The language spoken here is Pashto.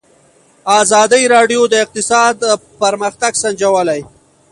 ازادي راډیو د اقتصاد پرمختګ سنجولی.